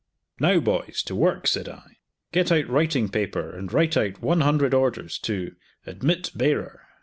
"Now boys to work," said I. "Get out writing paper and write out one hundred orders to 'Admit bearer.